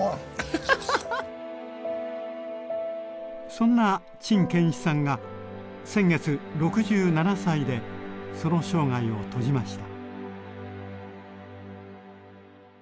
そんな陳建一さんが先月６７歳でその生涯を閉じました。